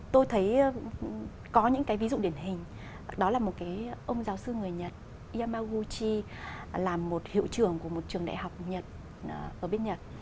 tôi thấy có những cái ví dụ điển hình đó là một cái ông giáo sư người nhật yamaguchi làm một hiệu trưởng của một trường đại học nhật ở bên nhật